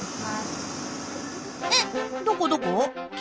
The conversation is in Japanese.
えっ？どこどこ？